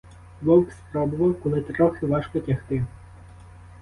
Вовк спробував — коли трохи важко тягти.